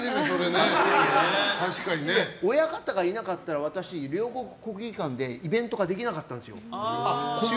親方がいなかったら私、両国国技館でイベントができなかったんですよ。